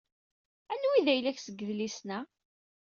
Anwa i d ayla-k seg idlisen-a?